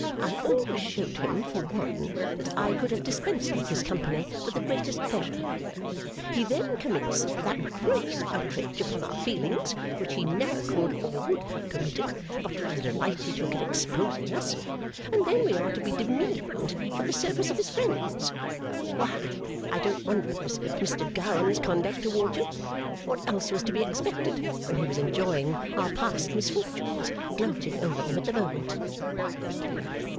I always showed him, for one, that I could have dispensed with his company with the greatest pleasure. He then commits that gross outrage upon our feelings, which he never could or would have committed but for the delight he took in exposing us; and then we are to be demeaned for the service of his friends! Why, I don't wonder at this Mr Gowan's conduct towards you. What else was to be expected when he was enjoying our past misfortunes gloating over them at the moment!